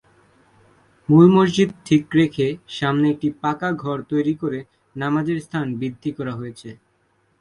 মূল মসজিদ ঠিক রেখে সামনে একটি পাকা ঘর তৈরী করে নামাজের স্থান বৃদ্ধি করা হয়েছে।